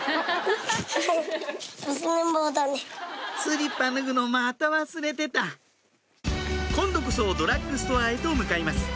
スリッパ脱ぐのまた忘れてた今度こそドラッグストアへと向かいます